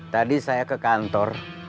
tadi saya ke kantor